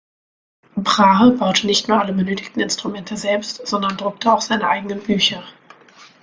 Brahe baute nicht nur alle benötigten Instrumente selbst, sondern druckte auch seine eigenen Bücher.